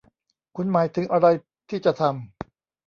คุณหมายถึงอะไรที่จะทำ ?